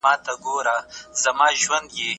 د سياست او ټولنپوهني ترمنځ ډېر توپير نسته.